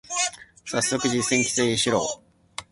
最速実践規制しろ